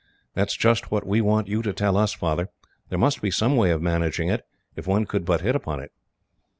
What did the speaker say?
"That is just what we want you to tell us, Father. There must be some way of managing it, if one could but hit upon it."